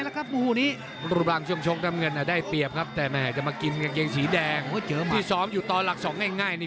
หลุ้นปลายแล้วครับกูฮูนี้